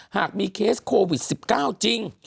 หากมีเคสโควิด๑๙จริง